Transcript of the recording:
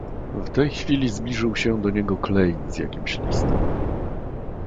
"W tej chwili zbliżył się do niego Klejn z jakimś listem."